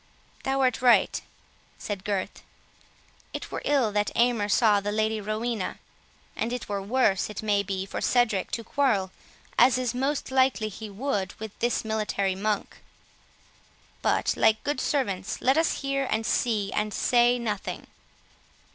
"Thou art right," said Gurth; "it were ill that Aymer saw the Lady Rowena; and it were worse, it may be, for Cedric to quarrel, as is most likely he would, with this military monk. But, like good servants let us hear and see, and say nothing."